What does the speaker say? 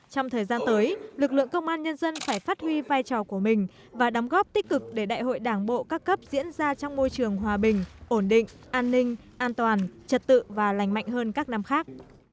trong thời gian tới lực lượng công an nhân dân phải phát huy vai trò của mình và đóng góp tích cực để đại hội đảng bộ các cấp diễn ra trong môi trường hòa bình ổn định an ninh an toàn trật tự và lành mạnh hơn các năm khác